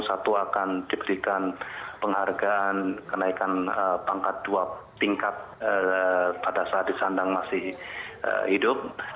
satu akan diberikan penghargaan kenaikan pangkat dua tingkat pada saat disandang masih hidup